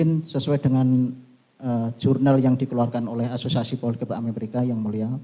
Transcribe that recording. mungkin sesuai dengan jurnal yang dikeluarkan oleh asosiasi poligram amerika yang mulia